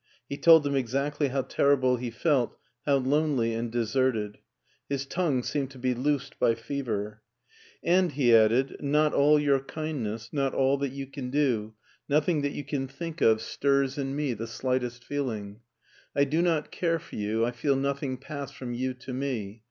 He told them exactly how terrible he felt, how lonely and deserted. His tongue seemed to be loosed by fever. " And," he added, " not all your kindness, not all that you can do, nothing that you can think of stirs SCHWARZWALD 285 in me the slightest feeling, I do not care for you, I feel nothing pass from you to me.